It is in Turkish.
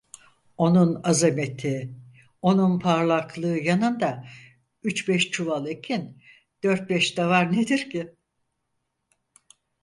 Onun azameti, onun parlaklığı yanında üç beş çuval ekin, dört beş davar nedir ki?